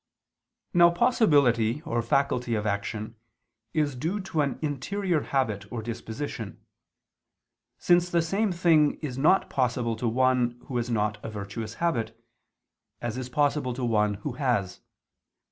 Now possibility or faculty of action is due to an interior habit or disposition: since the same thing is not possible to one who has not a virtuous habit, as is possible to one who has.